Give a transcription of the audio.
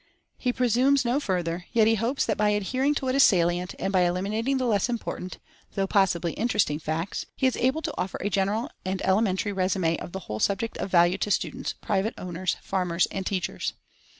He presumes no further; yet he hopes that by adhering to what is salient and by eliminating the less important, though possibly interesting, facts, he is able to offer a general and elementary résumé of the whole subject of value to students, private owners, farmers and teachers.